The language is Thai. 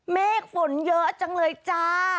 เมฆฝนเยอะจังเลยจ้า